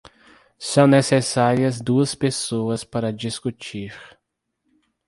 São necessárias duas pessoas para discutir.